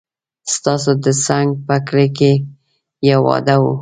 ستاسو د څنګ په کلي کې يو واده و